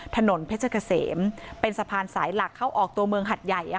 ถนนเพชรเกษมเป็นสะพานสายหลักเข้าออกตัวเมืองหัดใหญ่